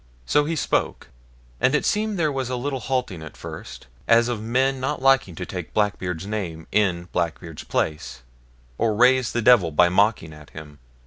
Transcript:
So he spoke, and it seemed there was a little halting at first, as of men not liking to take Blackbeard's name in Blackbeard's place, or raise the Devil by mocking at him.